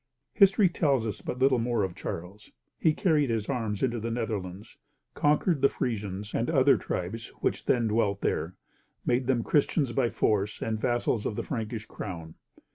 History tells us but little more of Charles. He carried his arms into the Netherlands, conquered the Frisians and other tribes which then dwelt there, made them Christians by force, and vassals of the Frankish crown.